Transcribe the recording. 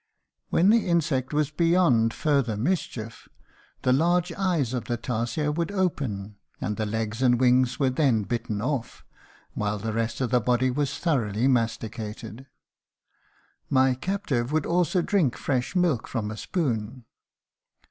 "When the insect was beyond further mischief the large eyes of the tarsier would open and the legs and wings were then bitten off, while the rest of the body was thoroughly masticated. My captive would also drink fresh milk from a spoon.